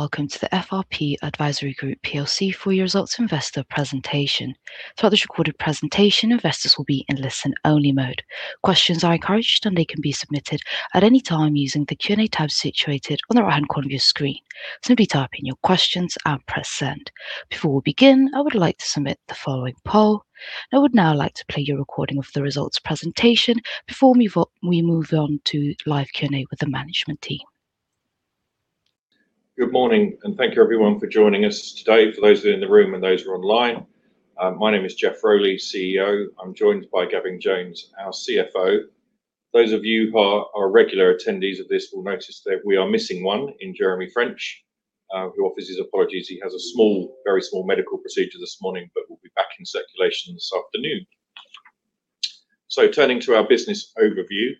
Welcome to the FRP Advisory Group PLC full year results investor presentation. Throughout this recorded presentation, investors will be in listen-only mode. Questions are encouraged, and they can be submitted at any time using the Q&A tab situated on the right-hand corner of your screen. Simply type in your questions and press send. Before we begin, I would like to submit the following poll. I would now like to play you a recording of the results presentation before we move on to live Q&A with the management team. Good morning, and thank you everyone for joining us today. For those in the room and those who are online, my name is Geoff Rowley, CEO. I'm joined by Gavin Jones, our CFO. Those of you who are regular attendees of this will notice that we are missing one in Jeremy French, who offers his apologies. He has a very small medical procedure this morning but will be back in circulation this afternoon. Turning to our business overview,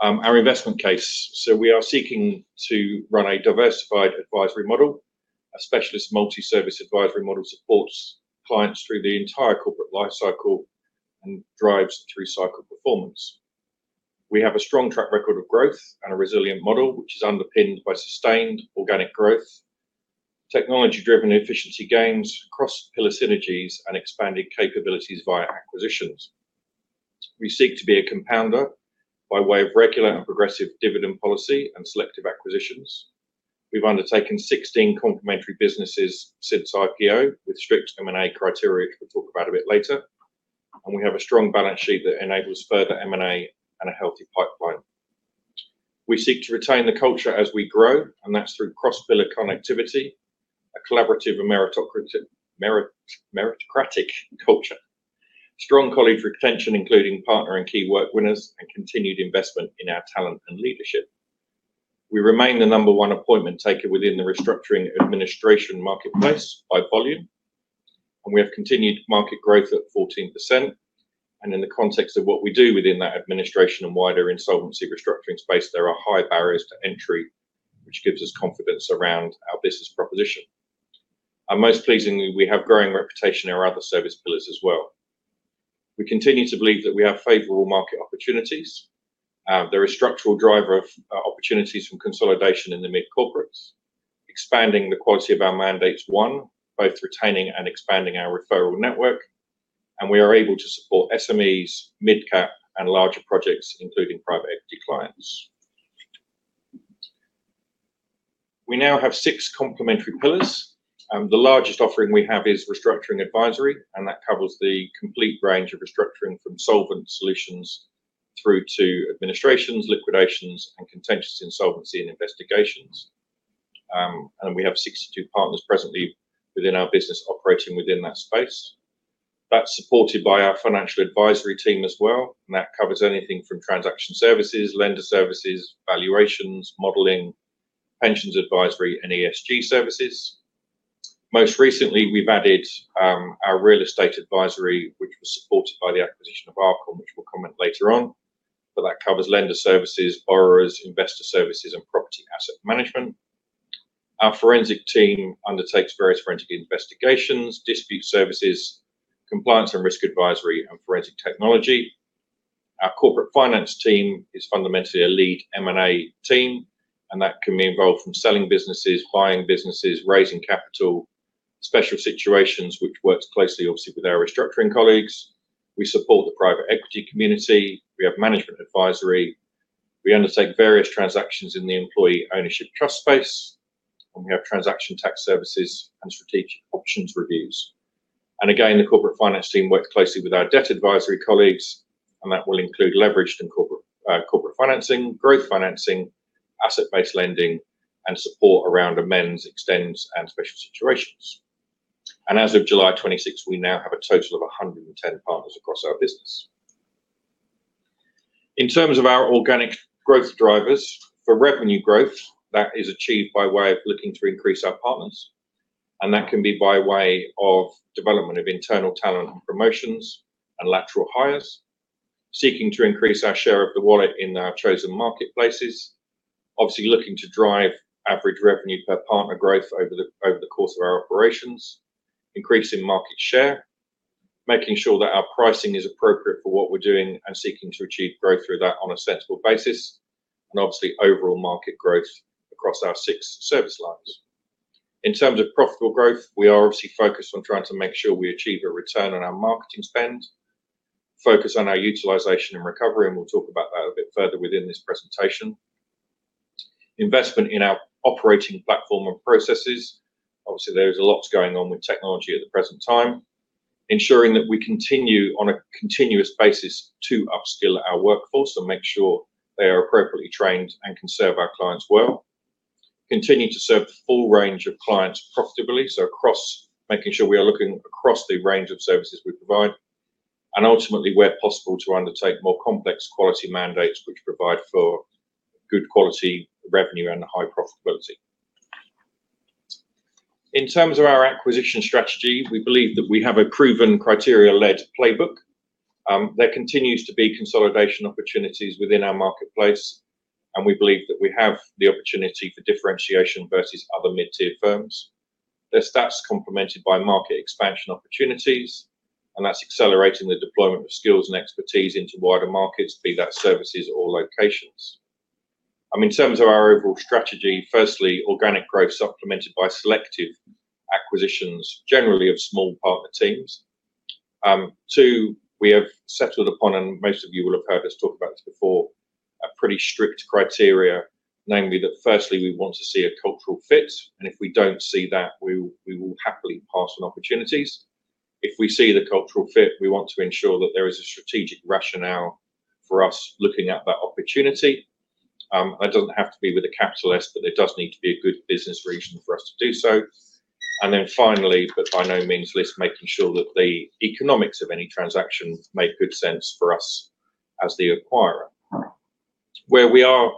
our investment case. We are seeking to run a diversified advisory model, a specialist multi-service advisory model that supports clients through the entire corporate life cycle and drives through cycle performance. We have a strong track record of growth and a resilient model, which is underpinned by sustained organic growth, technology-driven efficiency gains, cross-pillar synergies, and expanded capabilities via acquisitions. We seek to be a compounder by way of regular and progressive dividend policy and selective acquisitions. We've undertaken 16 complementary businesses since IPO with strict M&A criteria, which we'll talk about a bit later. We have a strong balance sheet that enables further M&A and a healthy pipeline. We seek to retain the culture as we grow, and that's through cross-pillar connectivity, a collaborative meritocratic culture, strong colleague retention, including partner and key work winners, and continued investment in our talent and leadership. We remain the number one appointment taker within the restructuring administration marketplace by volume, and we have continued market growth at 14%. In the context of what we do within that administration and wider insolvency restructuring space, there are high barriers to entry, which gives us confidence around our business proposition. Most pleasingly, we have growing reputation in our other service pillars as well. We continue to believe that we have favorable market opportunities. There is structural driver of opportunities from consolidation in the mid-corporates. Expanding the quality of our mandates won, both retaining and expanding our referral network, and we are able to support SMEs, mid-cap, and larger projects, including private equity clients. We now have six complementary pillars. The largest offering we have is restructuring advisory, and that covers the complete range of restructuring from solvent solutions through to administrations, liquidations, and contentious insolvency and investigations. We have 62 partners presently within our business operating within that space. That's supported by our financial advisory team as well. That covers anything from transaction services, lender services, valuations, modeling, pensions advisory, and ESG services. Most recently, we've added our real estate advisory, which was supported by the acquisition of Arc & Co, which we'll comment later on. That covers lender services, borrowers, investor services, and property asset management. Our forensic team undertakes various forensic investigations, dispute services, compliance and risk advisory, and forensic technology. Our corporate finance team is fundamentally a lead M&A team, and that can be involved from selling businesses, buying businesses, raising capital, special situations, which works closely obviously with our restructuring colleagues. We support the private equity community. We have management advisory. We undertake various transactions in the employee ownership trust space, and we have transaction tax services and strategic options reviews. Again, the corporate finance team works closely with our debt advisory colleagues, and that will include leveraged and corporate financing, growth financing, asset-based lending, and support around amends, extends, and special situations. As of July 26, we now have a total of 110 partners across our business. In terms of our organic growth drivers, for revenue growth, that is achieved by way of looking to increase our partners. That can be by way of development of internal talent and promotions and lateral hires, seeking to increase our share of the wallet in our chosen marketplaces. Obviously, looking to drive average revenue per partner growth over the course of our operations, increasing market share, making sure that our pricing is appropriate for what we're doing, and seeking to achieve growth through that on a sensible basis, and obviously overall market growth across our six service lines. In terms of profitable growth, we are obviously focused on trying to make sure we achieve a return on our marketing spend, focus on our utilization and recovery, and we'll talk about that a bit further within this presentation. Investment in our operating platform and processes. Obviously, there is a lot going on with technology at the present time. Ensuring that we continue on a continuous basis to upskill our workforce and make sure they are appropriately trained and can serve our clients well. Continue to serve the full range of clients profitably, so making sure we are looking across the range of services we provide, and ultimately, where possible, to undertake more complex quality mandates which provide for good quality revenue and high profitability. In terms of our acquisition strategy, we believe that we have a proven criteria-led playbook. There continues to be consolidation opportunities within our marketplace, and we believe that we have the opportunity for differentiation versus other mid-tier firms. Their stats complemented by market expansion opportunities, and that's accelerating the deployment of skills and expertise into wider markets, be that services or locations. In terms of our overall strategy, firstly, organic growth supplemented by selective acquisitions, generally of small partner teams. Two, we have settled upon, and most of you will have heard us talk about this before, a pretty strict criteria, namely that firstly, we want to see a cultural fit, and if we don't see that, we will happily pass on opportunities. If we see the cultural fit, we want to ensure that there is a strategic rationale for us looking at that opportunity. It doesn't have to be with a capital S, but there does need to be a good business reason for us to do so. Finally, but by no means least, making sure that the economics of any transaction make good sense for us as the acquirer. Where we are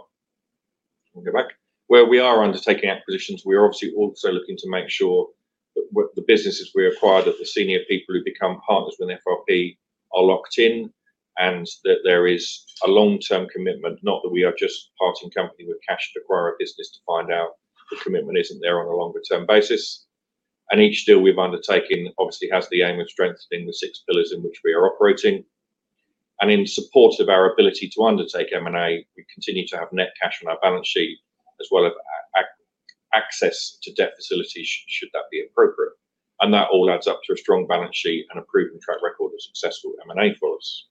undertaking acquisitions, we are obviously also looking to make sure that the businesses we acquire, that the senior people who become partners with FRP are locked in, and that there is a long-term commitment, not that we are just parting company with cash to acquire a business to find out the commitment isn't there on a longer term basis. Each deal we've undertaken obviously has the aim of strengthening the six pillars in which we are operating. In support of our ability to undertake M&A, we continue to have net cash on our balance sheet as well as access to debt facilities, should that be appropriate. That all adds up to a strong balance sheet and a proven track record of successful M&A for us.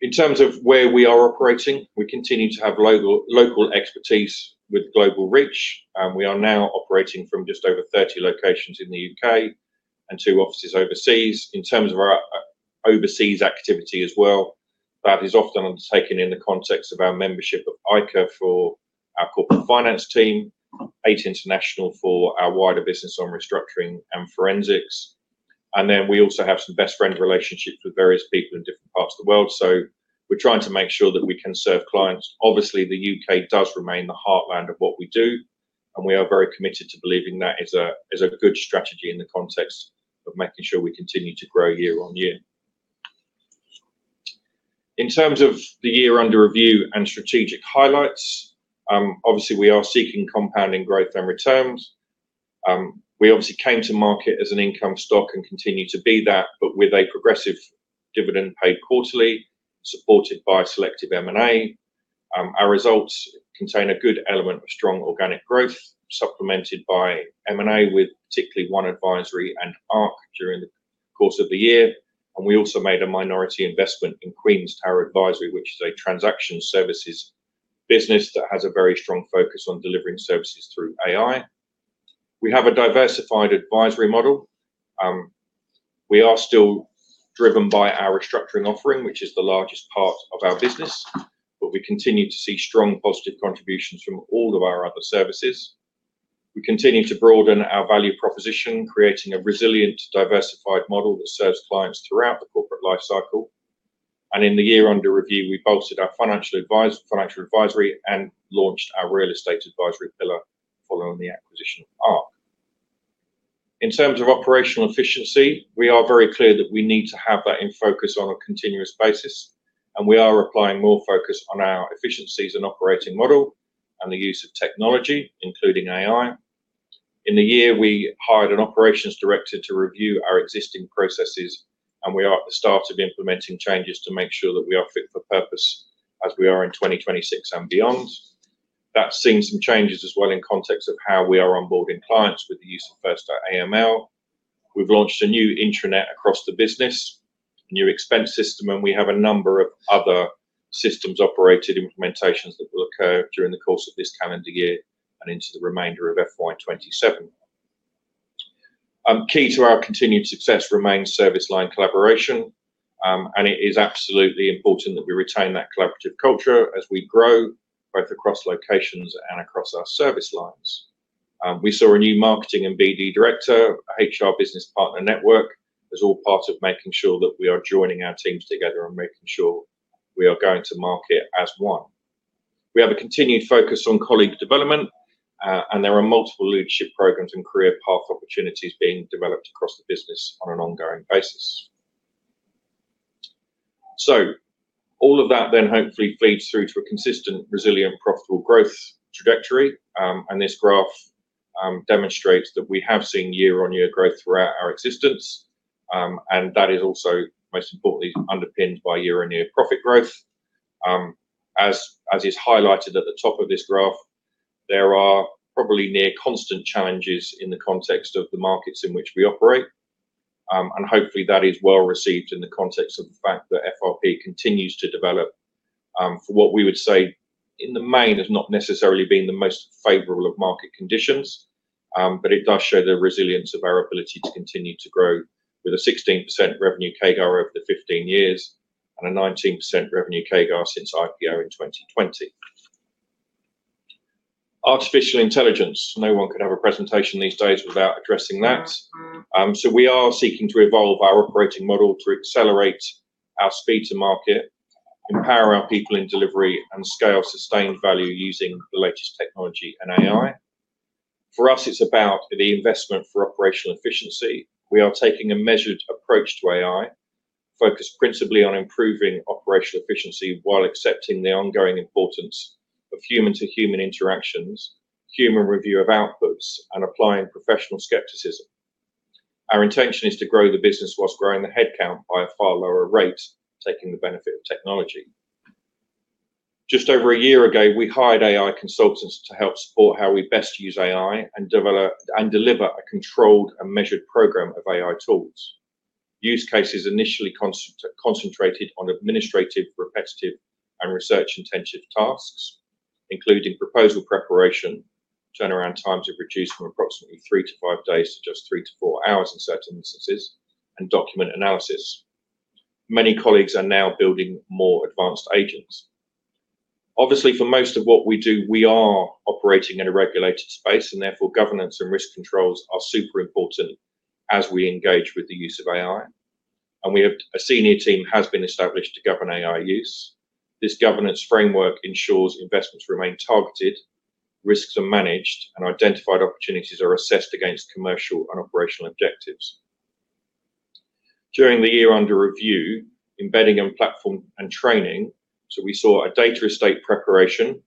In terms of where we are operating, we continue to have local expertise with global reach. We are now operating from just over 30 locations in the U.K. and two offices overseas. In terms of our overseas activity as well, that is often undertaken in the context of our membership of AICA for our corporate finance team, Eight International for our wider business on restructuring and forensics. Then we also have some best friend relationships with various people in different parts of the world. We're trying to make sure that we can serve clients. Obviously, the U.K. does remain the heartland of what we do, we are very committed to believing that is a good strategy in the context of making sure we continue to grow year-on-year. In terms of the year under review and strategic highlights, obviously we are seeking compounding growth and returns. We obviously came to market as an income stock and continue to be that, but with a progressive dividend paid quarterly, supported by selective M&A. Our results contain a good element of strong organic growth, supplemented by M&A with particularly One Advisory and Arc & Co during the course of the year. We also made a minority investment in Queen's Tower Advisory, which is a transaction services business that has a very strong focus on delivering services through AI. We have a diversified advisory model. We are still driven by our restructuring offering, which is the largest part of our business, we continue to see strong positive contributions from all of our other services. We continue to broaden our value proposition, creating a resilient, diversified model that serves clients throughout the corporate life cycle. In the year under review, we bolstered our financial advisory and launched our real estate advisory pillar following the acquisition of Arc. In terms of operational efficiency, we are very clear that we need to have that in focus on a continuous basis, we are applying more focus on our efficiencies and operating model and the use of technology, including AI. In the year, we hired an operations director to review our existing processes, and we are at the start of implementing changes to make sure that we are fit for purpose as we are in 2026 and beyond. That's seen some changes as well in context of how we are onboarding clients with the use of First AML. We've launched a new intranet across the business, new expense system, and we have a number of other systems operated implementations that will occur during the course of this calendar year and into the remainder of FY 2027. Key to our continued success remains service line collaboration, and it is absolutely important that we retain that collaborative culture as we grow both across locations and across our service lines. We saw a new marketing and BD director, HR business partner network, as all part of making sure that we are joining our teams together and making sure we are going to market as one. We have a continued focus on colleague development, and there are multiple leadership programs and career path opportunities being developed across the business on an ongoing basis. All of that hopefully feeds through to a consistent, resilient, profitable growth trajectory. This graph demonstrates that we have seen year-on-year growth throughout our existence. That is also most importantly underpinned by year-on-year profit growth. As is highlighted at the top of this graph, there are probably near constant challenges in the context of the markets in which we operate. Hopefully that is well received in the context of the fact that FRP continues to develop for what we would say in the main has not necessarily been the most favorable of market conditions. It does show the resilience of our ability to continue to grow with a 16% revenue CAGR over the 15 years and a 19% revenue CAGR since IPO in 2020. Artificial intelligence. No one can have a presentation these days without addressing that. We are seeking to evolve our operating model to accelerate our speed to market, empower our people in delivery, and scale sustained value using the latest technology and AI. For us, it's about the investment for operational efficiency. We are taking a measured approach to AI focused principally on improving operational efficiency while accepting the ongoing importance of human-to-human interactions, human review of outputs, and applying professional skepticism. Our intention is to grow the business while growing the headcount by a far lower rate, taking the benefit of technology. Just over a year ago, we hired AI consultants to help support how we best use AI and deliver a controlled and measured program of AI tools. Use cases initially concentrated on administrative, repetitive, and research-intensive tasks, including proposal preparation, turnaround times have reduced from approximately three to five days to just three to four hours in certain instances, and document analysis. Many colleagues are now building more advanced agents. Obviously, for most of what we do, we are operating in a regulated space, and therefore governance and risk controls are super important as we engage with the use of AI. A senior team has been established to govern AI use. This governance framework ensures investments remain targeted, risks are managed, and identified opportunities are assessed against commercial and operational objectives. During the year under review, embedding and platform and training. We saw a data estate preparation.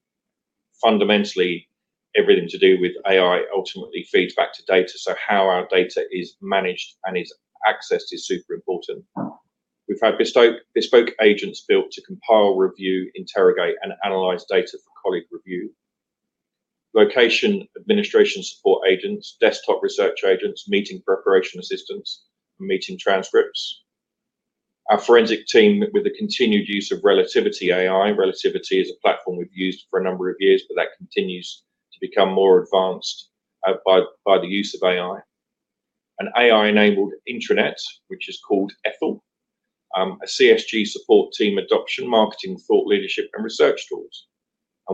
Fundamentally, everything to do with AI ultimately feeds back to data. How our data is managed and is accessed is super important. We've had bespoke agents built to compile, review, interrogate, and analyze data for colleague review. Location administration support agents, desktop research agents, meeting preparation assistants, and meeting transcripts. Our forensic team, with the continued use of Relativity AI. Relativity is a platform we've used for a number of years, but that continues to become more advanced by the use of AI. An AI-enabled intranet, which is called Ethel, a CSG support team, adoption, marketing, thought leadership, and research tools.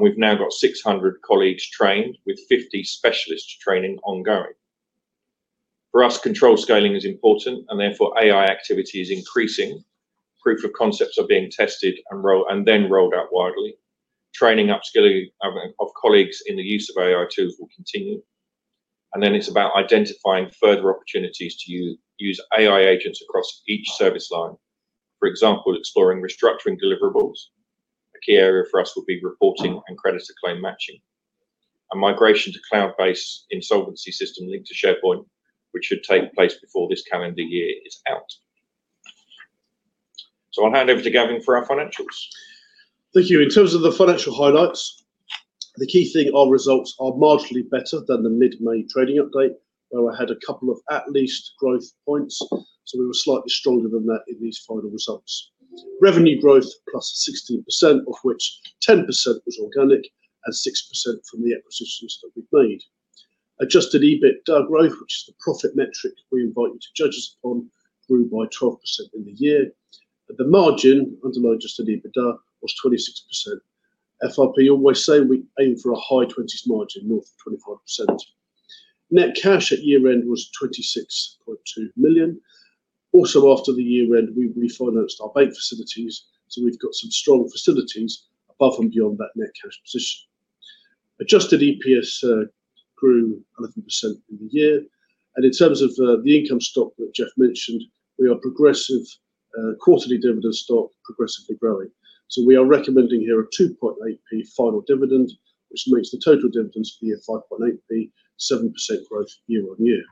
We've now got 600 colleagues trained with 50 specialists training ongoing. For us, control scaling is important, and therefore AI activity is increasing. Proof of concepts are being tested and then rolled out widely. Training upskilling of colleagues in the use of AI tools will continue. It's about identifying further opportunities to use AI agents across each service line. For example, exploring restructuring deliverables. A key area for us will be reporting and creditor claim matching. A migration to cloud-based insolvency system linked to SharePoint, which should take place before this calendar year is out. I'll hand over to Gavin for our financials. Thank you. In terms of the financial highlights, the key thing, our results are marginally better than the mid-May trading update, where I had a couple of at least growth points. We were slightly stronger than that in these final results. Revenue growth +16%, of which 10% was organic and 6% from the acquisitions that we've made. Adjusted EBITDA growth, which is the profit metric we invite you to judge us on, grew by 12% in the year, but the margin underlying adjusted EBITDA was 26%. FRP always say we aim for a high-20% margin, north of 25%. Net cash at year-end was 26.2 million. Also, after the year-end, we refinanced our bank facilities, so we've got some strong facilities above and beyond that net cash position. Adjusted EPS grew 11% in the year. In terms of the income stock that Geoff mentioned, we are progressive quarterly dividend stock progressively growing. We are recommending here a 0.028 final dividend, which makes the total dividends for the year 0.058, 7% growth year-on-year.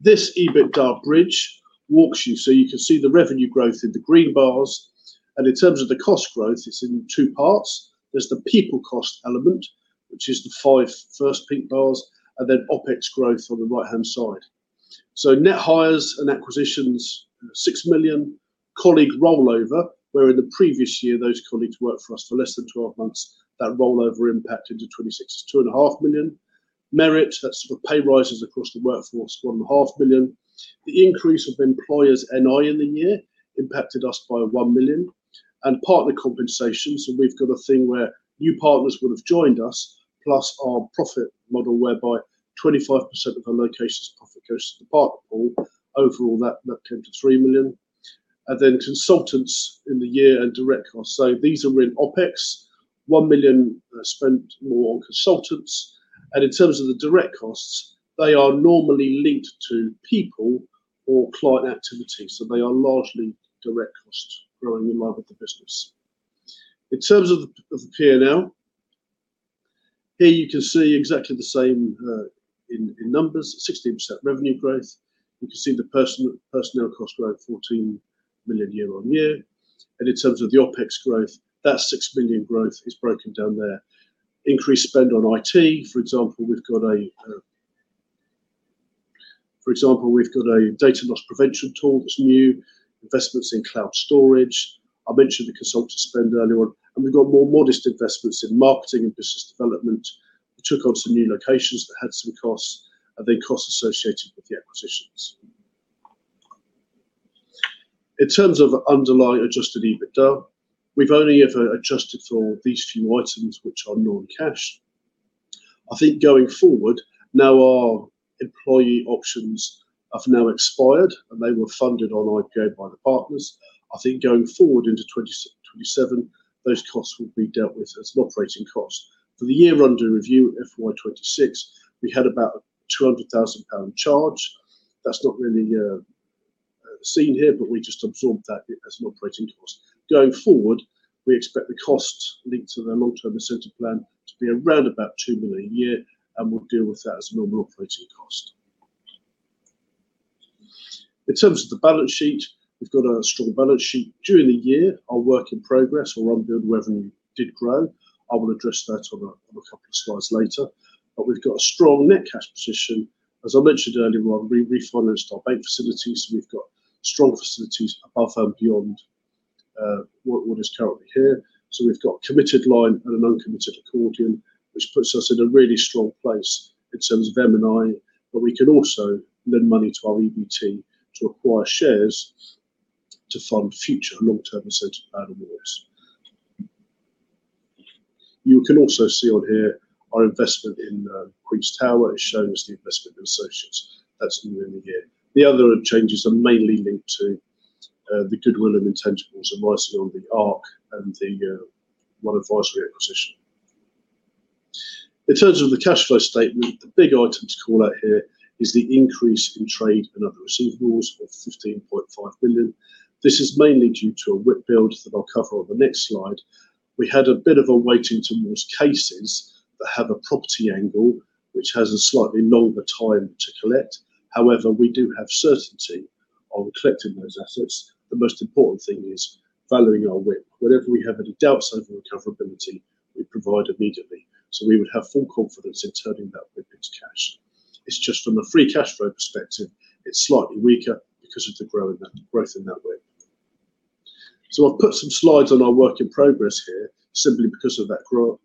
This EBITDA bridge walks you so you can see the revenue growth in the green bars. In terms of the cost growth, it's in two parts. There's the people cost element, which is the five first pink bars, and then OpEx growth on the right-hand side. Net hires and acquisitions, 6 million. Colleague rollover, where in the previous year those colleagues worked for us for less than 12 months, that rollover impacted to 2.5 million. Merit, that's the pay rises across the workforce, 1.5 million. The increase of employers NI in the year impacted us by 1 million. Partner compensation, we've got a thing where new partners would have joined us, plus our profit model whereby 25% of our locations profit goes to the partner pool. Overall, that came to 3 million. Consultants in the year and direct costs. These are in OpEx. 1 million spent more on consultants. In terms of the direct costs, they are normally linked to people or client activity. They are largely direct costs growing in line with the business. In terms of the P&L, here you can see exactly the same in numbers, 16% revenue growth. You can see the personnel cost growth, 14 million year-on-year. In terms of the OpEx growth, that 6 million growth is broken down there. Increased spend on IT, for example, we've got a data loss prevention tool that's new. Investments in cloud storage. I mentioned the consultant spend earlier on. We've got more modest investments in marketing and business development. We took on some new locations that had some costs, and then costs associated with the acquisitions. In terms of underlying adjusted EBITDA, we've only ever adjusted for these few items which are non-cash. I think going forward, now our employee options have now expired and they were funded on IPO by the partners. I think going forward into 2027, those costs will be dealt with as an operating cost. For the year under review, FY 2026, we had about a 200,000 pound charge. That's not really seen here, but we just absorbed that as an operating cost. Going forward, we expect the costs linked to the long-term incentive plan to be around about 2 million a year, and we'll deal with that as a normal operating cost. In terms of the balance sheet, we've got a strong balance sheet. During the year, our work in progress or unbilled revenue did grow. I will address that on a couple of slides later. We've got a strong net cash position. As I mentioned earlier on, we refinanced our bank facilities, we've got strong facilities above and beyond what is currently here. We've got a committed line and an uncommitted accordion, which puts us in a really strong place in terms of M&A. We can also lend money to our EBT to acquire shares to fund future long-term incentive plan awards. You can also see on here our investment in Queen's Tower is shown as the investment in associates. That's new in the year. The other changes are mainly linked to the goodwill and intangibles arising on the Arc and the One Advisory acquisition. In terms of the cash flow statement, the big item to call out here is the increase in trade and other receivables of 15.5 million. This is mainly due to a WIP build that I'll cover on the next slide. We had a bit of a waiting to most cases that have a property angle, which has a slightly longer time to collect. However, we do have certainty on collecting those assets. The most important thing is valuing our WIP. Whenever we have any doubts over recoverability, we provide immediately. We would have full confidence in turning that WIP into cash. It's just from a free cash flow perspective, it's slightly weaker because of the growth in that WIP. I've put some slides on our work in progress here simply because of that growth.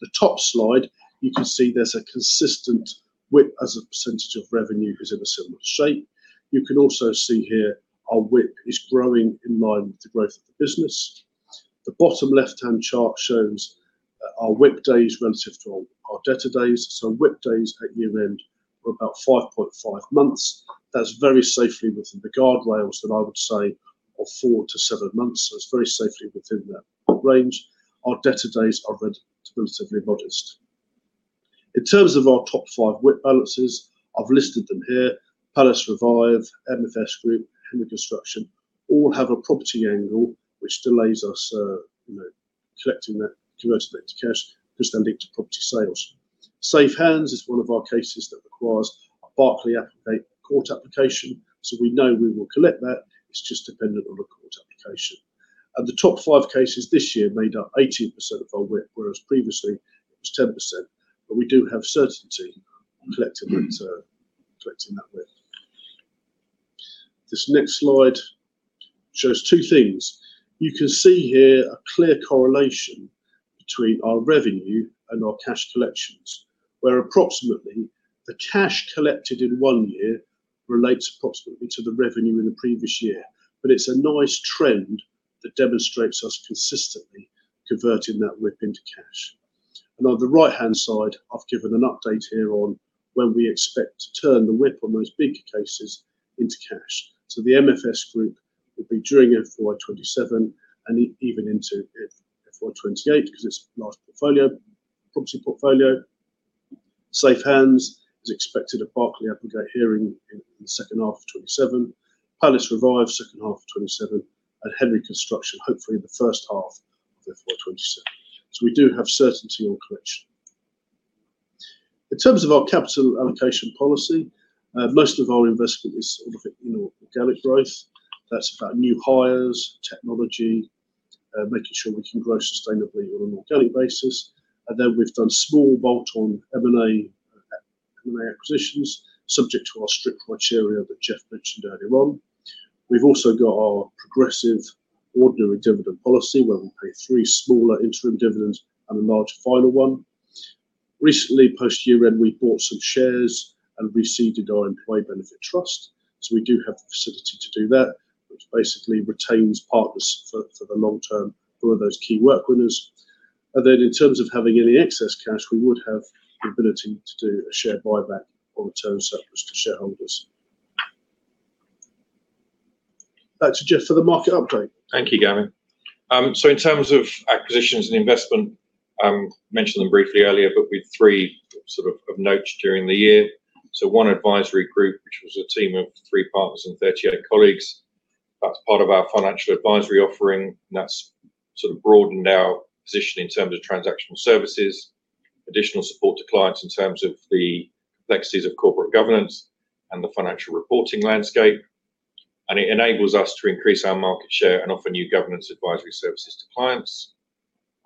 The top slide, you can see there's a consistent WIP as a percentage of revenue is in a similar shape. You can also see here our WIP is growing in line with the growth of the business. The bottom left-hand chart shows our WIP days relative to our debtor days. WIP days at year-end were about 5.5 months. That's very safely within the guardrails that I would say are four to seven months. It's very safely within that range. Our debtor days are relatively modest. In terms of our top five WIP balances, I've listed them here. Palace Revive, MFS Group, Henry Construction, all have a property angle, which delays us converting that to cash because they're linked to property sales. Safe Hands is one of our cases that requires a Berkeley Applegate court application. We know we will collect that. It's just dependent on a court application. The top five cases this year made up 18% of our WIP, whereas previously it was 10%. We do have certainty on collecting that WIP. This next slide shows two things. You can see here a clear correlation between our revenue and our cash collections, where approximately the cash collected in one year relates approximately to the revenue in the previous year. It's a nice trend that demonstrates us consistently converting that WIP into cash. On the right-hand side, I've given an update here on when we expect to turn the WIP on those bigger cases into cash. The MFS Group will be during FY 2027 and even into FY 2028 because it's a large property portfolio. Safe Hands is expected a Berkeley Applegate hearing in the second half of 2027. Palace Revive, second half of 2027, and Henry Construction, hopefully in the first half of FY 2027. We do have certainty on collection. In terms of our capital allocation policy, most of our investment is organic growth. That's about new hires, technology, making sure we can grow sustainably on an organic basis. We've done small bolt-on M&A acquisitions, subject to our strict criteria that Geoff mentioned earlier on. We've also got our progressive ordinary dividend policy, where we pay three smaller interim dividends and a large final one. Recently, post year-end, we bought some shares and reseeded our employee benefit trust. We do have the facility to do that, which basically retains partners for the long term who are those key work winners. In terms of having any excess cash, we would have the ability to do a share buyback or return surplus to shareholders. Back to Geoff for the market update. Thank you, Gavin. In terms of acquisitions and investment, mentioned them briefly earlier, we had three sort of notes during the year. One Advisory Group, which was a team of three partners and 38 colleagues. That's part of our financial advisory offering, that's sort of broadened our position in terms of transactional services, additional support to clients in terms of the complexities of corporate governance and the financial reporting landscape. It enables us to increase our market share and offer new governance advisory services to clients.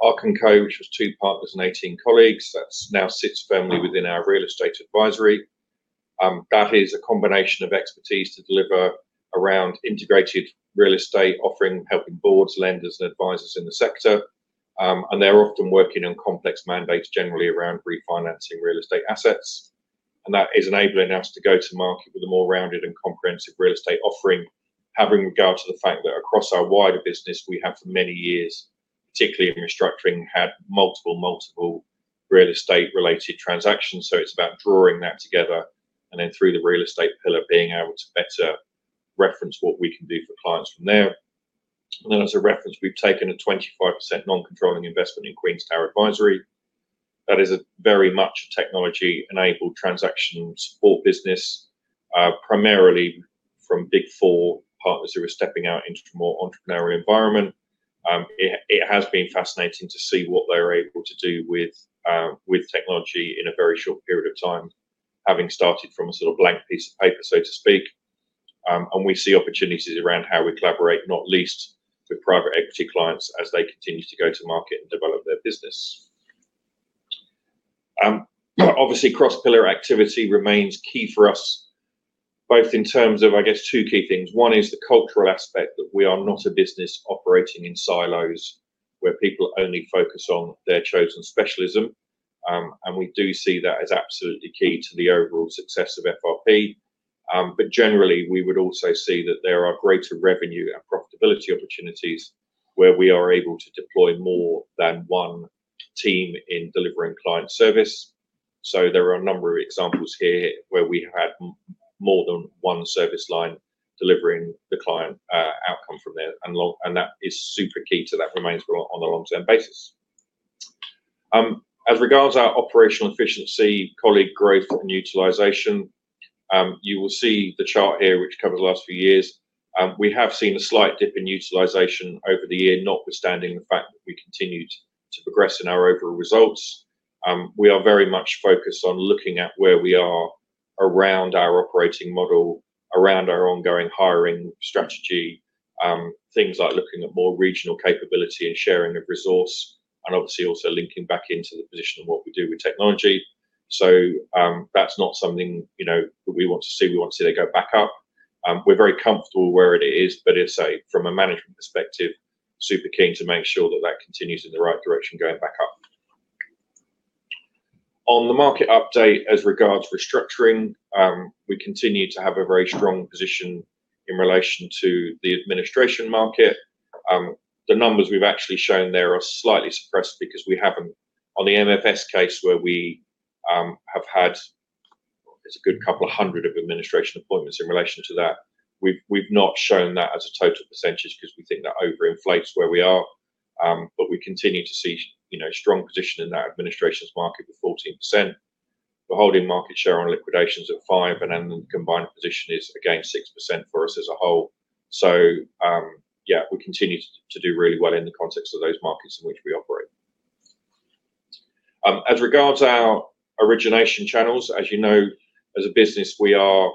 Arc & Co, which was two partners and 18 colleagues, that now sits firmly within our real estate advisory. That is a combination of expertise to deliver around integrated real estate offering, helping boards, lenders, and advisors in the sector. They're often working on complex mandates, generally around refinancing real estate assets. That is enabling us to go to market with a more rounded and comprehensive real estate offering, having regard to the fact that across our wider business, we have for many years, particularly in restructuring, had multiple real estate-related transactions. It's about drawing that together, then through the real estate pillar, being able to better reference what we can do for clients from there. Then as a reference, we've taken a 25% non-controlling investment in Queen's Tower Advisory. That is a very much technology-enabled transaction support business, primarily from Big Four partners who are stepping out into a more entrepreneurial environment. It has been fascinating to see what they're able to do with technology in a very short period of time, having started from a sort of blank piece of paper, so to speak. We see opportunities around how we collaborate, not least with private equity clients as they continue to go to market and develop their business. Obviously, cross-pillar activity remains key for us both in terms of, I guess, two key things. One is the cultural aspect, that we are not a business operating in silos where people only focus on their chosen specialism, we do see that as absolutely key to the overall success of FRP. Generally, we would also see that there are greater revenue and profitability opportunities where we are able to deploy more than one team in delivering client service. There are a number of examples here where we have had more than one service line delivering the client outcome from there. That is super key to that remains on a long-term basis. As regards our operational efficiency, colleague growth, and utilization, you will see the chart here which covers the last few years. We have seen a slight dip in utilization over the year, notwithstanding the fact that we continued to progress in our overall results. We are very much focused on looking at where we are around our operating model, around our ongoing hiring strategy, things like looking at more regional capability and sharing of resource, and obviously also linking back into the position of what we do with technology. That's not something that we want to see. We want to see that go back up. We're very comfortable where it is, as I say, from a management perspective, super keen to make sure that that continues in the right direction, going back up. On the market update as regards restructuring, we continue to have a very strong position in relation to the administration market. The numbers we've actually shown there are slightly suppressed because we haven't on the MFS case where we have had, it's a good couple of hundred of administration appointments in relation to that. We've not shown that as a total percentage because we think that over inflates where we are. We continue to see strong position in that administrations market with 14%. We're holding market share on liquidations at 5%, the combined position is, again, 6% for us as a whole. Yeah, we continue to do really well in the context of those markets in which we operate. As regards our origination channels, as you know, as a business, we are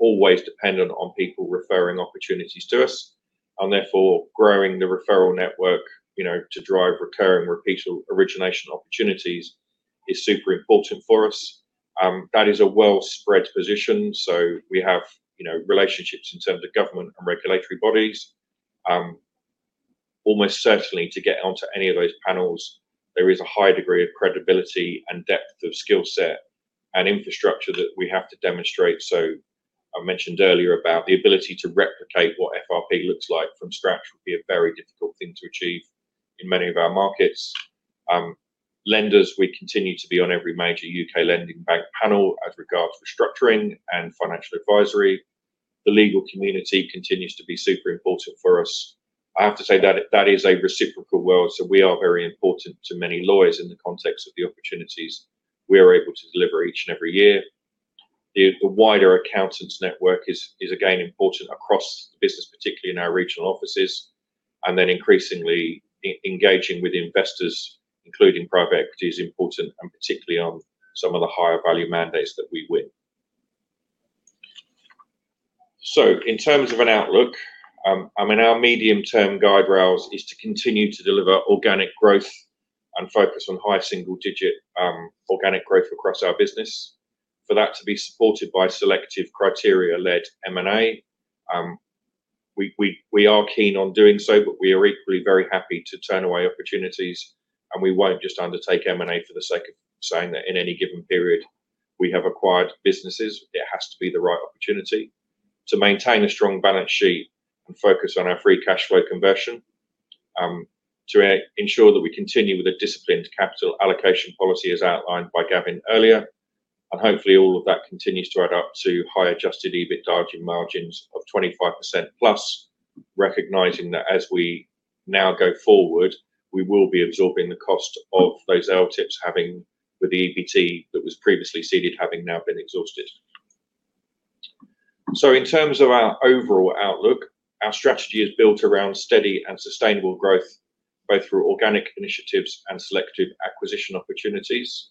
always dependent on people referring opportunities to us, and therefore growing the referral network to drive recurring, repeatable origination opportunities is super important for us. That is a well spread position, so we have relationships in terms of government and regulatory bodies. Almost certainly to get onto any of those panels, there is a high degree of credibility and depth of skill set and infrastructure that we have to demonstrate. I mentioned earlier about the ability to replicate what FRP looks like from scratch would be a very difficult thing to achieve in many of our markets. Lenders, we continue to be on every major U.K. lending bank panel as regards restructuring and financial advisory. The legal community continues to be super important for us. I have to say that that is a reciprocal world, so we are very important to many lawyers in the context of the opportunities we are able to deliver each and every year. The wider accountants network is again important across the business, particularly in our regional offices, then increasingly engaging with investors, including private equity, is important, and particularly on some of the higher value mandates that we win. In terms of an outlook, our medium term guide rails is to continue to deliver organic growth and focus on high single digit organic growth across our business. For that to be supported by selective criteria-led M&A. We are keen on doing so, we are equally very happy to turn away opportunities, we won't just undertake M&A for the sake of saying that in any given period we have acquired businesses. It has to be the right opportunity to maintain a strong balance sheet and focus on our free cash flow conversion, to ensure that we continue with a disciplined capital allocation policy, as outlined by Gavin earlier. Hopefully all of that continues to add up to high adjusted EBITDA margins of 25%+, recognizing that as we now go forward, we will be absorbing the cost of those LTIPs having with the EBT that was previously seeded, having now been exhausted. In terms of our overall outlook, our strategy is built around steady and sustainable growth, both through organic initiatives and selective acquisition opportunities.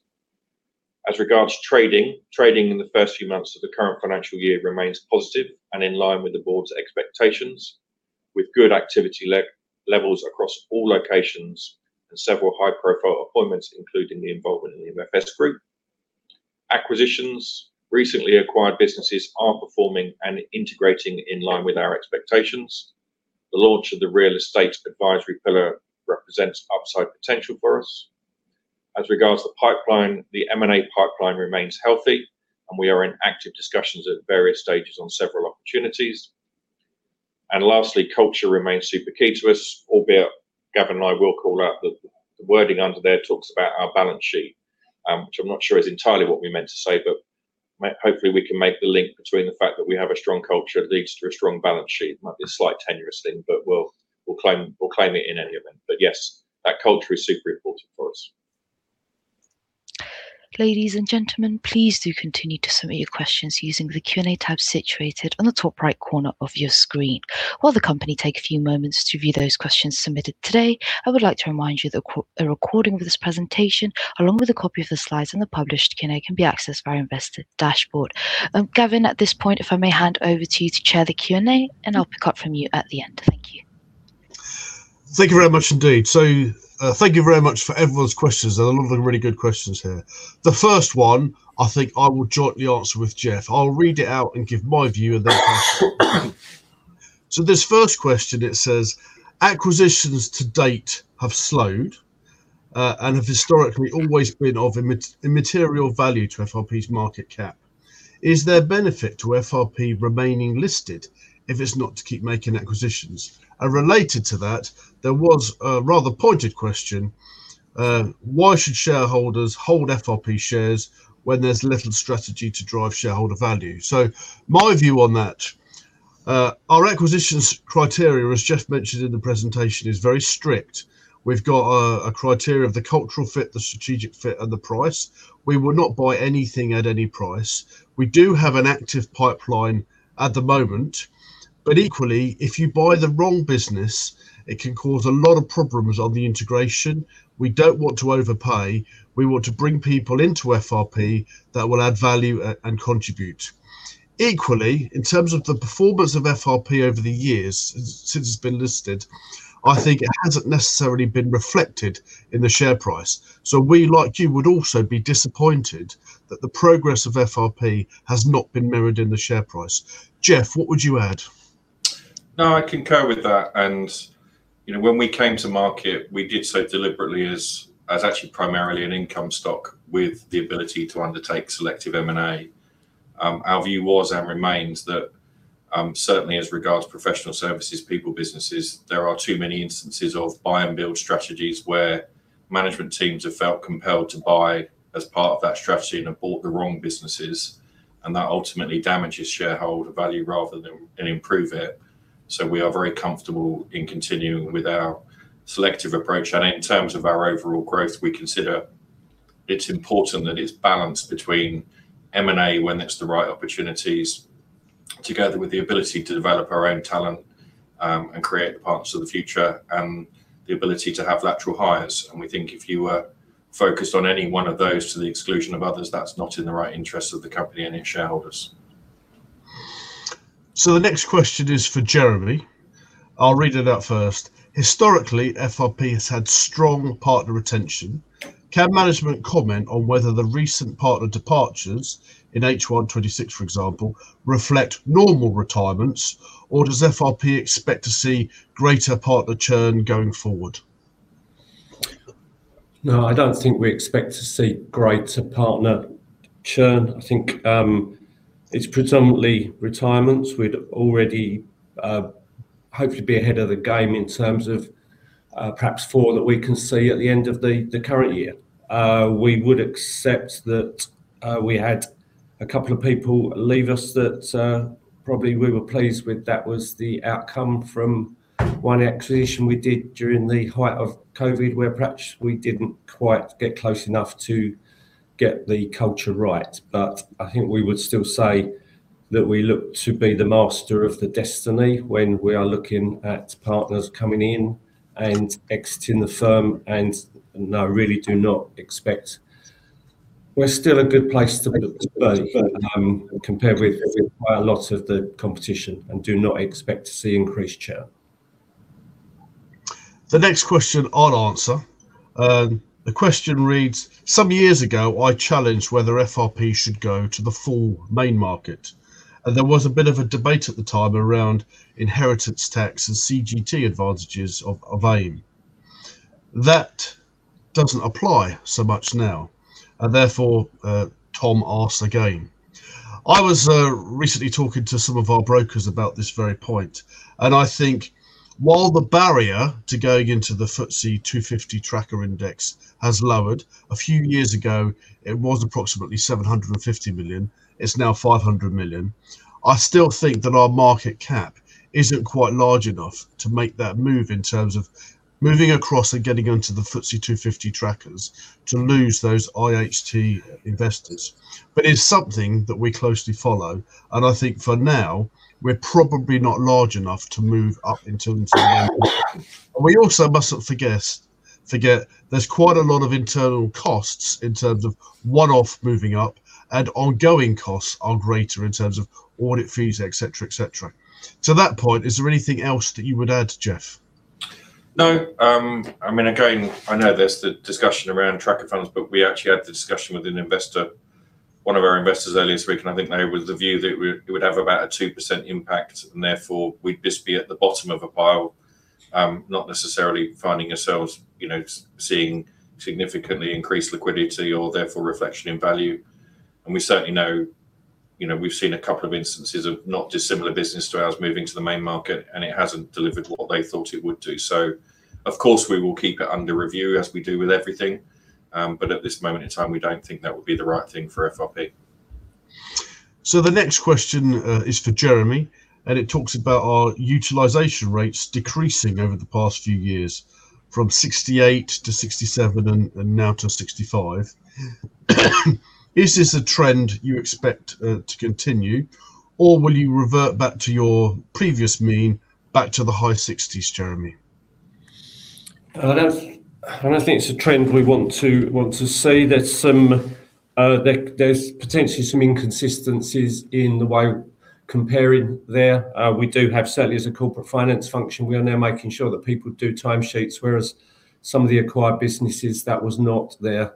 As regards trading in the first few months of the current financial year remains positive and in line with the board's expectations, with good activity levels across all locations and several high-profile appointments, including the involvement in the MFS Group. Acquisitions. Recently acquired businesses are performing and integrating in line with our expectations. The launch of the real estate advisory pillar represents upside potential for us. As regards the pipeline, the M&A pipeline remains healthy, and we are in active discussions at various stages on several opportunities. Lastly, culture remains super key to us, albeit Gavin and I will call out the wording under there talks about our balance sheet, which I'm not sure is entirely what we meant to say. Hopefully we can make the link between the fact that we have a strong culture that leads to a strong balance sheet. Might be a slight tenuous link, but we'll claim it in any event. Yes, that culture is super important for us. Ladies and gentlemen, please do continue to submit your questions using the Q&A tab situated on the top right corner of your screen. While the company take a few moments to view those questions submitted today, I would like to remind you that a recording of this presentation, along with a copy of the slides and the published Q&A, can be accessed via investor dashboard. Gavin, at this point, if I may hand over to you to chair the Q&A, and I'll pick up from you at the end. Thank you. Thank you very much indeed. Thank you very much for everyone's questions. There are a lot of really good questions here. The first one, I think I'll jointly answer with Geoff. I'll read it out and give my view. This first question, it says, "Acquisitions to date have slowed, and have historically always been of immaterial value to FRP's market cap. Is there benefit to FRP remaining listed if it's not to keep making acquisitions?" Related to that, there was a rather pointed question, "Why should shareholders hold FRP shares when there's little strategy to drive shareholder value?" My view on that, our acquisitions criteria, as Geoff mentioned in the presentation, is very strict. We've got a criteria of the cultural fit, the strategic fit, and the price. We will not buy anything at any price. We do have an active pipeline at the moment. Equally, if you buy the wrong business, it can cause a lot of problems on the integration. We don't want to overpay. We want to bring people into FRP that will add value and contribute. Equally, in terms of the performance of FRP over the years, since it's been listed, I think it hasn't necessarily been reflected in the share price. We, like you, would also be disappointed that the progress of FRP has not been mirrored in the share price. Geoff, what would you add? No, I concur with that. When we came to market, we did so deliberately as actually primarily an income stock with the ability to undertake selective M&A. Our view was, and remains, that certainly as regards professional services, people businesses, there are too many instances of buy and build strategies where management teams have felt compelled to buy as part of that strategy and have bought the wrong businesses, and that ultimately damages shareholder value rather than improve it. We are very comfortable in continuing with our selective approach. In terms of our overall growth, we consider it's important that it's balanced between M&A when it's the right opportunities, together with the ability to develop our own talent, and create the partners of the future, and the ability to have lateral hires. We think if you were focused on any one of those to the exclusion of others, that's not in the right interest of the company and its shareholders. The next question is for Jeremy. I'll read it out first. "Historically, FRP has had strong partner retention. Can management comment on whether the recent partner departures, in H1 2026, for example, reflect normal retirements, or does FRP expect to see greater partner churn going forward?" No, I don't think we expect to see greater partner churn. I think it's predominantly retirements. We'd already hoped to be ahead of the game in terms of perhaps four that we can see at the end of the current year. We would accept that we had a couple of people leave us that probably we were pleased with. That was the outcome from one acquisition we did during the height of COVID, where perhaps we didn't quite get close enough to get the culture right. I think we would still say that we look to be the master of the destiny when we are looking at partners coming in and exiting the firm. We're still a good place to be, compared with quite a lot of the competition, and do not expect to see increased churn. The next question I'll answer. The question reads, "Some years ago, I challenged whether FRP should go to the full main market. There was a bit of a debate at the time around inheritance tax and CGT advantages of AIM." That doesn't apply so much now, therefore Tom asks again. I was recently talking to some of our brokers about this very point, and I think while the barrier to going into the FTSE 250 tracker index has lowered, a few years ago it was approximately 750 million, it's now 500 million. I still think that our market cap isn't quite large enough to make that move in terms of moving across and getting onto the FTSE 250 trackers to lose those IHT investors. It's something that we closely follow, and I think for now, we're probably not large enough to move up into the main market. We also mustn't forget there's quite a lot of internal costs in terms of one-off moving up and ongoing costs are greater in terms of audit fees, et cetera. To that point, is there anything else that you would add, Geoff? No. Again, I know there's the discussion around tracker funds, we actually had the discussion with an investor, one of our investors earlier this week, and I think they were of the view that it would have about a 2% impact and therefore we'd just be at the bottom of a pile, not necessarily finding ourselves seeing significantly increased liquidity or therefore reflection in value. We certainly know we've seen a couple of instances of not dissimilar business to ours moving to the main market, and it hasn't delivered what they thought it would do. Of course, we will keep it under review as we do with everything, but at this moment in time, we don't think that would be the right thing for FRP. The next question is for Jeremy, and it talks about our utilization rates decreasing over the past few years from 68% to 67%, and now to 65%. Is this a trend you expect to continue, or will you revert back to your previous mean, back to the high-60%, Jeremy? I don't think it's a trend we want to see. There's potentially some inconsistencies in the way comparing there. We do have, certainly as a corporate finance function, we are now making sure that people do time sheets, whereas some of the acquired businesses, that was not their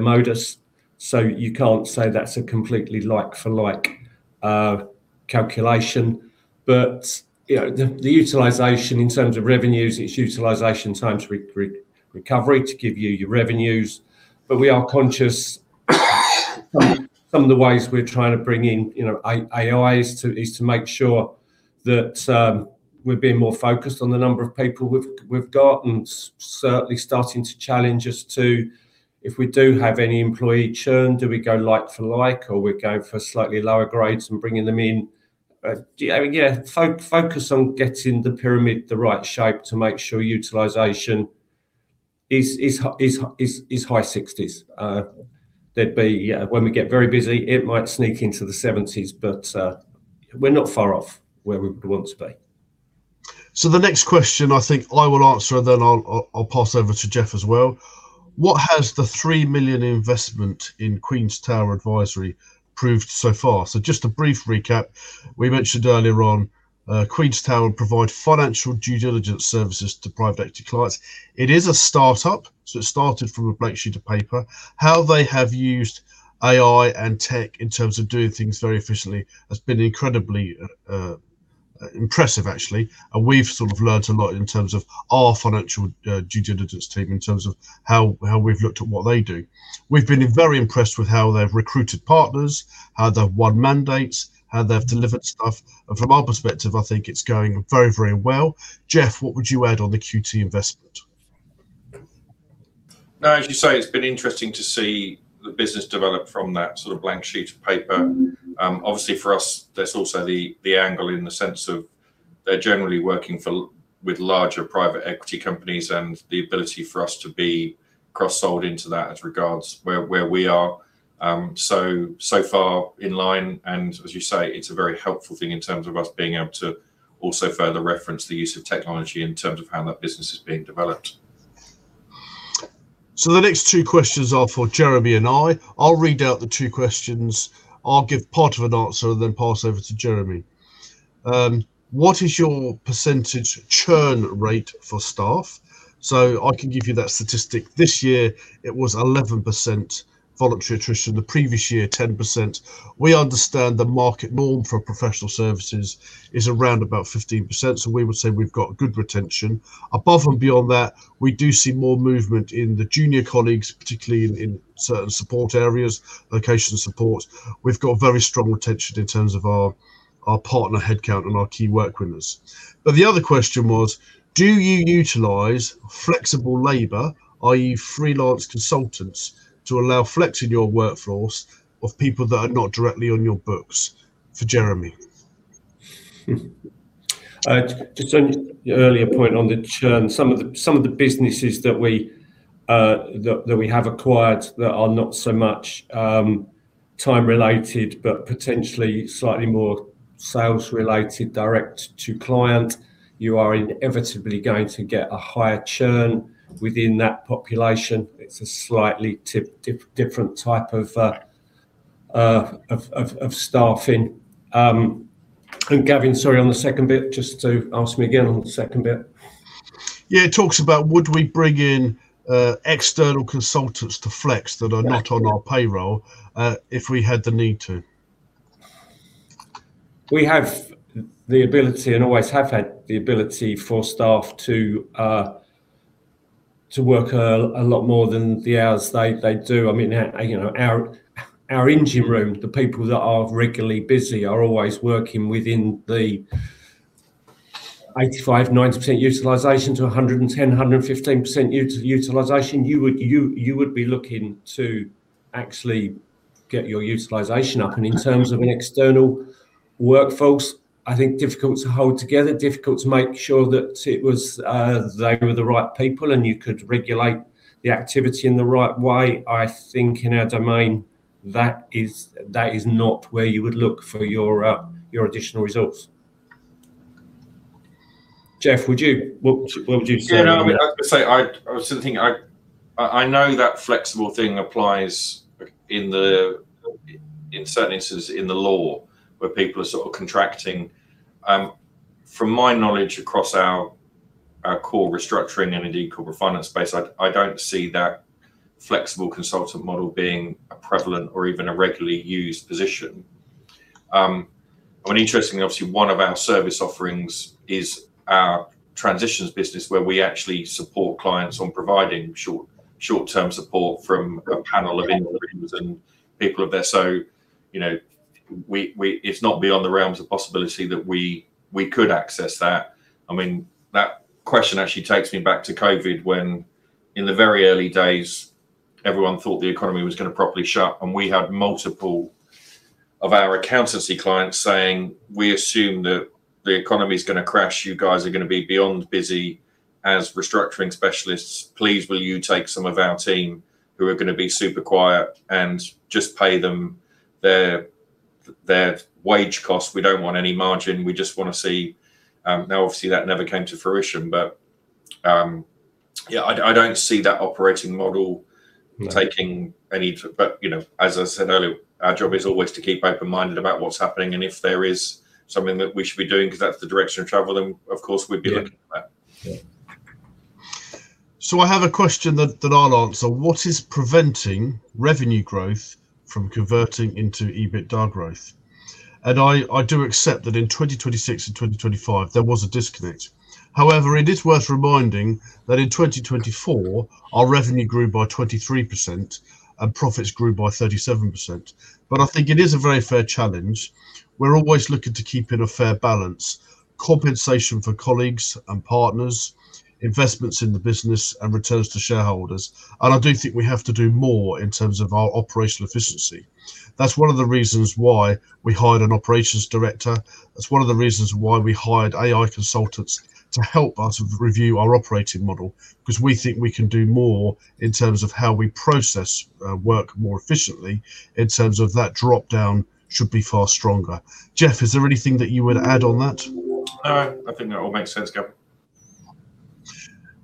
modus. You can't say that's a completely like-for-like calculation. The utilization in terms of revenues, it's utilization times recovery to give you your revenues. We are conscious some of the ways we're trying to bring in AI is to make sure that we're being more focused on the number of people we've got and certainly starting to challenge us to if we do have any employee churn, do we go like-for-like, or we go for slightly lower grades and bringing them in? Focus on getting the pyramid the right shape to make sure utilization is high-60%. When we get very busy, it might sneak into the 70%, but we're not far off where we would want to be. The next question I think I will answer, and then I'll pass over to Geoff as well. What has the 3 million investment in Queen's Tower Advisory proved so far? Just a brief recap, we mentioned earlier on Queen's Tower provide financial due diligence services to private equity clients. It is a startup, so it started from a blank sheet of paper. How they have used AI and tech in terms of doing things very efficiently has been incredibly impressive, actually. We've learned a lot in terms of our financial due diligence team, in terms of how we've looked at what they do. We've been very impressed with how they've recruited partners, how they've won mandates, how they've delivered stuff. From our perspective, I think it's going very well. Geoff, what would you add on the QT investment? No, as you say, it's been interesting to see the business develop from that blank sheet of paper. Obviously, for us, there's also the angle in the sense of they're generally working with larger private equity companies and the ability for us to be cross-sold into that as regards where we are. Far in line and, as you say, it's a very helpful thing in terms of us being able to also further reference the use of technology in terms of how that business is being developed. The next two questions are for Jeremy and I. I'll read out the two questions. I'll give part of an answer, then pass over to Jeremy. What is your percentage churn rate for staff? I can give you that statistic. This year it was 11% voluntary attrition, the previous year 10%. We understand the market norm for professional services is around about 15%. We would say we've got good retention. Above and beyond that, we do see more movement in the junior colleagues, particularly in certain support areas, location support. We've got very strong retention in terms of our partner headcount and our key work with us. The other question was, do you utilize flexible labor, i.e., freelance consultants, to allow flex in your workforce of people that are not directly on your books? For Jeremy. Just on your earlier point on the churn, some of the businesses that we have acquired that are not so much time related, but potentially slightly more sales related, direct to client, you are inevitably going to get a higher churn within that population. It's a slightly different type of staffing. Gavin, sorry on the second bit, just ask me again on the second bit. It talks about would we bring in external consultants to flex that are not on our payroll if we had the need to. We have the ability and always have had the ability for staff to work a lot more than the hours they do. Our engine room, the people that are regularly busy are always working within the 85%-90% utilization to 110%-115% utilization. You would be looking to actually get your utilization up. In terms of an external workforce, I think difficult to hold together, difficult to make sure that they were the right people, and you could regulate the activity in the right way. I think in our domain, that is not where you would look for your additional resource. Geoff, what would you say on that? I know that flexible thing applies in certain instances in the law where people are contracting. From my knowledge across our core restructuring and indeed corporate finance space, I don't see that flexible consultant model being a prevalent or even a regularly used position. Interestingly, obviously, one of our service offerings is our transitions business where we actually support clients on providing short-term support from a panel of individuals and people of their, it's not beyond the realms of possibility that we could access that. That question actually takes me back to COVID when in the very early days, everyone thought the economy was going to properly shut, and we had multiple of our accountancy clients saying, "We assume that the economy's going to crash. You guys are going to be beyond busy as restructuring specialists. Please will you take some of our team who are going to be super quiet and just pay them their wage cost? We don't want any margin. We just want to see." Obviously, that never came to fruition. Yeah, I don't see that operating model. As I said earlier, our job is always to keep open-minded about what's happening, and if there is something that we should be doing because that's the direction of travel, then of course we'd be looking at that. I have a question that I'll answer. What is preventing revenue growth from converting into EBITDA growth? I do accept that in 2026 and 2025 there was a disconnect. However, it is worth reminding that in 2024, our revenue grew by 23% and profits grew by 37%. I think it is a very fair challenge. We're always looking to keep in a fair balance, compensation for colleagues and partners, investments in the business, and returns to shareholders, and I do think we have to do more in terms of our operational efficiency. That's one of the reasons why we hired an operations director. That's one of the reasons why we hired AI consultants to help us review our operating model because we think we can do more in terms of how we process work more efficiently in terms of that dropdown should be far stronger. Geoff, is there anything that you would add on that? No, I think that all makes sense, Gavin.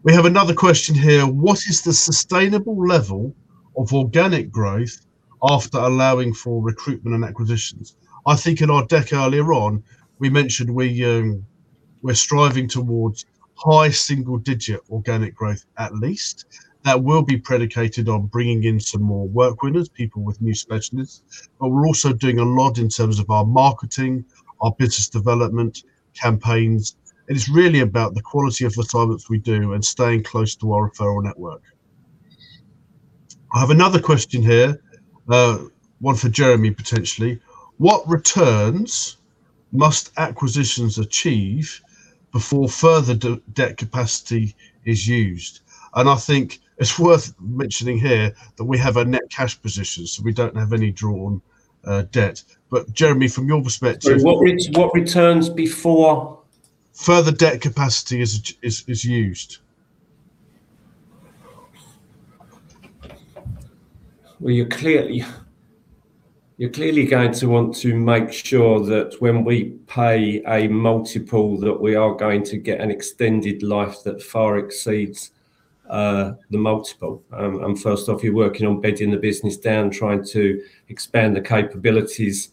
We have another question here. What is the sustainable level of organic growth after allowing for recruitment and acquisitions? I think in our deck earlier on, we mentioned we're striving towards high single-digit organic growth at least. That will be predicated on bringing in some more work winners, people with new specialties. We're also doing a lot in terms of our marketing, our business development campaigns, and it's really about the quality of the service we do and staying close to our referral network. I have another question here, one for Jeremy, potentially. What returns must acquisitions achieve before further debt capacity is used? I think it's worth mentioning here that we have a net cash position, so we don't have any drawn debt. Jeremy, from your perspective- Sorry, what returns before? Further debt capacity is used. You're clearly going to want to make sure that when we pay a multiple, that we are going to get an extended life that far exceeds the multiple. First off, you're working on bedding the business down, trying to expand the capabilities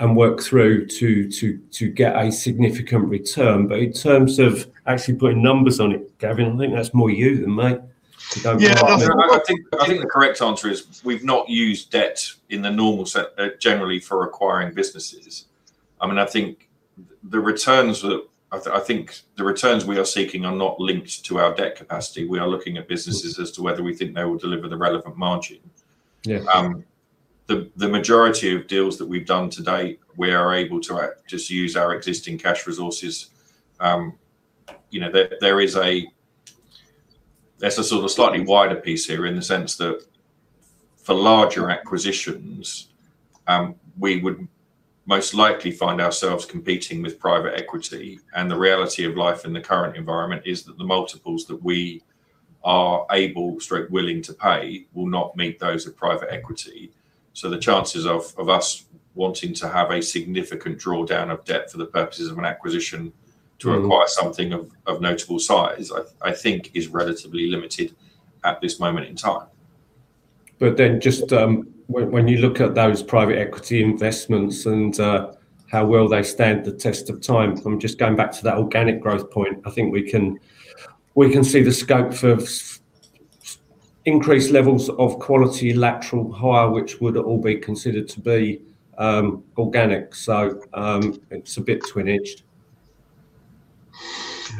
and work through to get a significant return. In terms of actually putting numbers on it, Gavin, I think that's more you than me. I think the correct answer is we've not used debt in the normal sense, generally for acquiring businesses. I think the returns we are seeking are not linked to our debt capacity. We are looking at businesses as to whether we think they will deliver the relevant margin. Yeah. The majority of deals that we've done to date, we are able to just use our existing cash resources. There's a sort of slightly wider piece here in the sense that for larger acquisitions, we would most likely find ourselves competing with private equity, the reality of life in the current environment is that the multiples that we are able / willing to pay will not meet those of private equity. The chances of us wanting to have a significant drawdown of debt for the purposes of an acquisition to acquire something of notable size, I think is relatively limited at this moment in time. Just when you look at those private equity investments and how well they stand the test of time, from just going back to that organic growth point, I think we can see the scope for increased levels of quality lateral hire, which would all be considered to be organic. It's a bit of twin edged.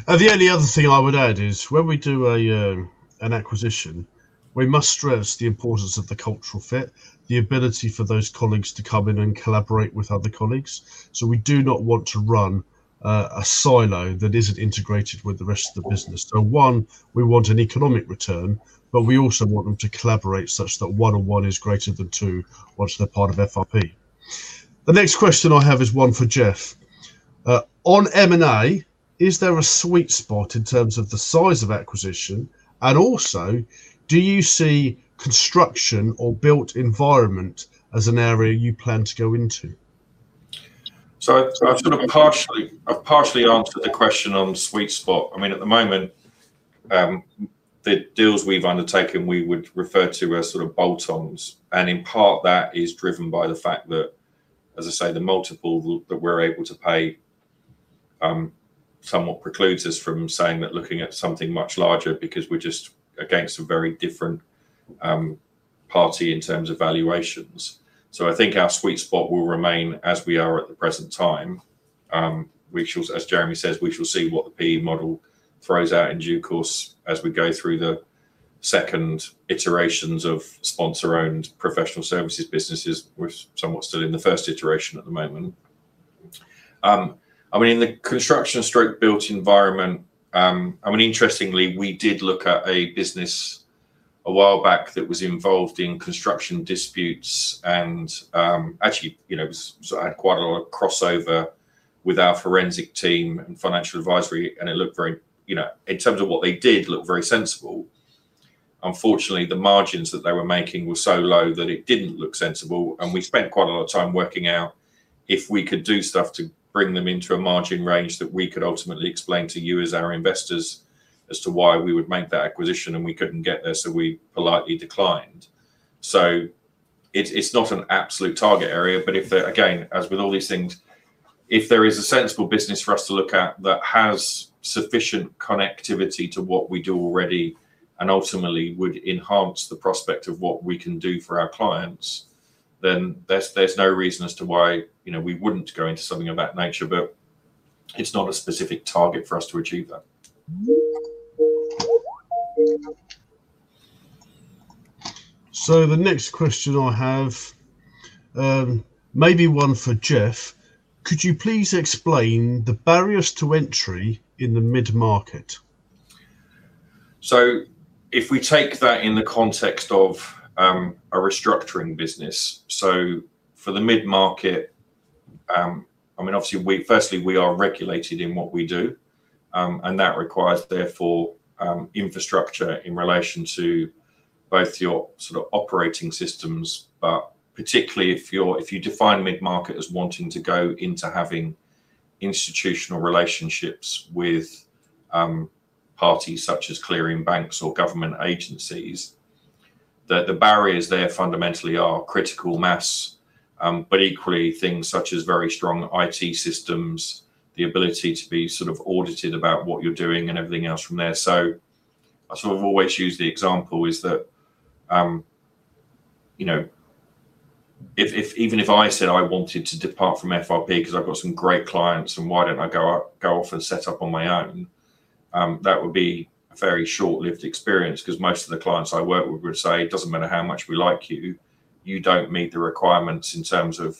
The only other thing I would add is when we do an acquisition, we must stress the importance of the cultural fit, the ability for those colleagues to come in and collaborate with other colleagues. We do not want to run a silo that isn't integrated with the rest of the business. One, we want an economic return, but we also want them to collaborate such that one on one is greater than two once they're part of FRP. The next question I have is one for Geoff. On M&A, is there a sweet spot in terms of the size of acquisition? Also, do you see construction or built environment as an area you plan to go into? I've partially answered the question on sweet spot. At the moment, the deals we've undertaken, we would refer to as bolt-ons. In part, that is driven by the fact that, as I say, the multiple that we're able to pay somewhat precludes us from saying that looking at something much larger because we're just against a very different party in terms of valuations. I think our sweet spot will remain as we are at the present time. As Jeremy says, we shall see what the PE model throws out in due course as we go through the second iterations of sponsor-owned professional services businesses. We're somewhat still in the first iteration at the moment. In the construction/built environment, interestingly, we did look at a business a while back that was involved in construction disputes and actually had quite a lot of crossover with our forensic team and financial advisory. In terms of what they did, looked very sensible. Unfortunately, the margins that they were making were so low that it didn't look sensible. We spent quite a lot of time working out if we could do stuff to bring them into a margin range that we could ultimately explain to you as our investors as to why we would make that acquisition. We couldn't get there. We politely declined. It's not an absolute target area. Again, as with all these things, if there is a sensible business for us to look at that has sufficient connectivity to what we do already and ultimately would enhance the prospect of what we can do for our clients, there's no reason as to why we wouldn't go into something of that nature. It's not a specific target for us to achieve that. The next question I have, maybe one for Geoff. Could you please explain the barriers to entry in the mid-market? If we take that in the context of a restructuring business, for the mid-market, obviously firstly, we are regulated in what we do, and that requires therefore infrastructure in relation to both your operating systems, but particularly if you define mid-market as wanting to go into having institutional relationships with parties such as clearing banks or government agencies, that the barriers there fundamentally are critical mass. Equally, things such as very strong IT systems, the ability to be audited about what you're doing and everything else from there. I always use the example is that even if I said I wanted to depart from FRP because I've got some great clients and why don't I go off and set up on my own? That would be a very short-lived experience because most of the clients I work with would say, "It doesn't matter how much we like you don't meet the requirements in terms of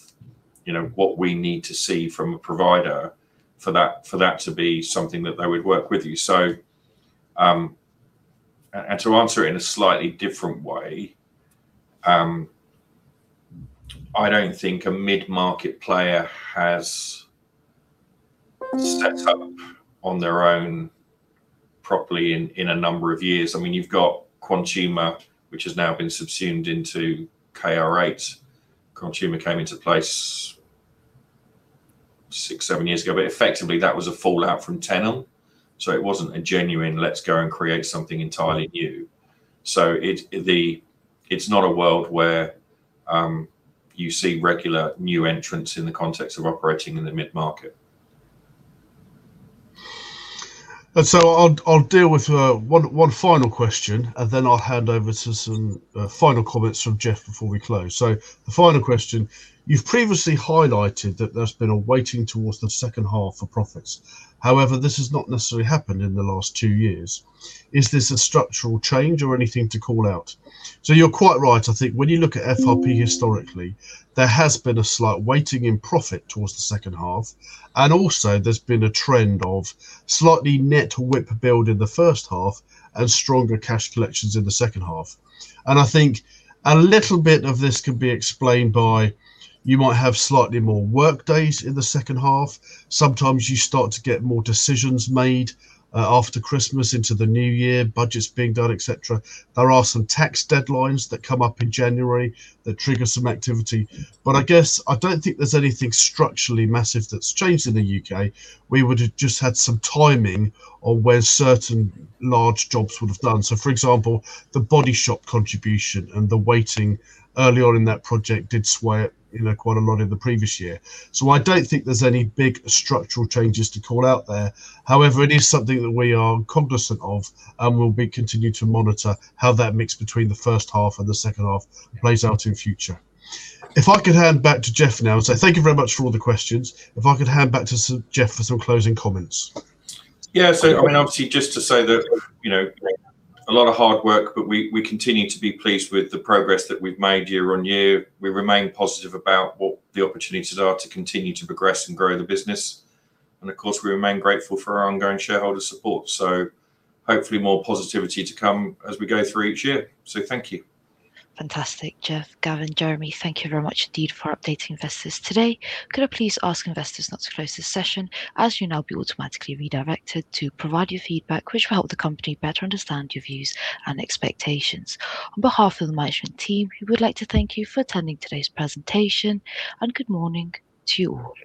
what we need to see from a provider" for that to be something that they would work with you. To answer it in a slightly different way, I don't think a mid-market player has set up on their own properly in a number of years. You've got Quantuma, which has now been subsumed into KR8. Quantuma came into place six, seven years ago. Effectively that was a fallout from Tenon, it wasn't a genuine, let's go and create something entirely new. It's not a world where you see regular new entrants in the context of operating in the mid-market. I'll deal with one final question, and then I'll hand over to some final comments from Geoff before we close. The final question. You've previously highlighted that there's been a weighting towards the second half for profits. However, this has not necessarily happened in the last two years. Is this a structural change or anything to call out? You're quite right. I think when you look at FRP historically, there has been a slight weighting in profit towards the second half, and also there's been a trend of slightly net WIP build in the first half and stronger cash collections in the second half. I think a little bit of this can be explained by you might have slightly more work days in the second half. Sometimes you start to get more decisions made after Christmas into the new year, budgets being done, et cetera. There are some tax deadlines that come up in January that trigger some activity. I guess I don't think there's anything structurally massive that's changed in the U.K. We would've just had some timing on where certain large jobs would've done. For example, The Body Shop contribution and the weighting early on in that project did sway quite a lot in the previous year. I don't think there's any big structural changes to call out there. However, it is something that we are cognizant of and we'll continue to monitor how that mix between the first half and the second half plays out in future. If I could hand back to Geoff now. Thank you very much for all the questions. If I could hand back to Geoff for some closing comments. Obviously, just to say that a lot of hard work, but we continue to be pleased with the progress that we've made year-on-year. We remain positive about what the opportunities are to continue to progress and grow the business. Of course, we remain grateful for our ongoing shareholder support. Hopefully more positivity to come as we go through each year. Thank you. Fantastic. Geoff, Gavin, Jeremy, thank you very much indeed for updating investors today. Could I please ask investors not to close this session as you'll now be automatically redirected to provide your feedback which will help the company better understand your views and expectations. On behalf of the management team, we would like to thank you for attending today's presentation, and good morning to you all.